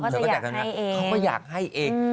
เขาก็จะอยากให้เอง